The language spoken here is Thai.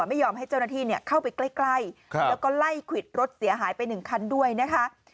ไม่ยอมให้เจ้าหน้าที่เข้าไปใกล้แล้วก็ไล่ควิดรถเสียหายไปหนึ่งคันด้วยนะคะ